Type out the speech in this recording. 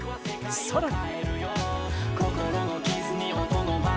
さらに！